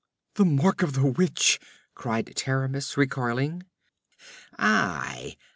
'The mark of the witch!' cried Taramis, recoiling. 'Aye!'